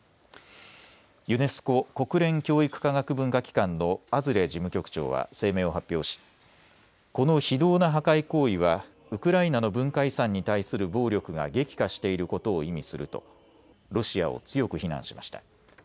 ユネスコ・国連教育科学文化機関のアズレ事務局長は声明を発表しこの非道な破壊行為はウクライナの文化遺産に対する暴力が激化していることを意味するとロシアを強く非難しました。